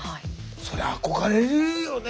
そりゃ憧れるよね。